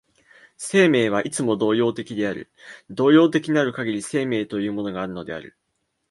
生命はいつも動揺的である、動揺的なるかぎり生命というものがあるのである。